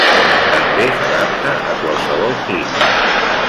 També s'adapta a qualsevol clima.